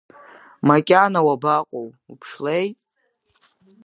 Макьана уабаҟоу, уԥшлеи!